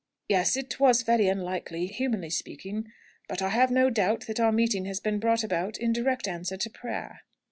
"Yes; it was very unlikely, humanly speaking. But I have no doubt that our meeting has been brought about in direct answer to prayer."